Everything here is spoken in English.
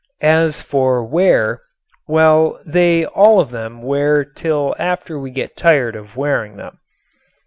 As for wear well, they all of them wear till after we get tired of wearing them.